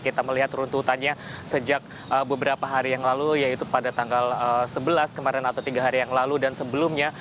kita melihat runtutannya sejak beberapa hari yang lalu yaitu pada tanggal sebelas kemarin atau tiga hari yang lalu dan sebelumnya